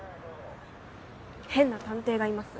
変な探偵がいます。